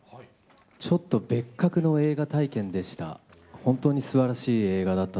ちょっと別格の映画体験でした。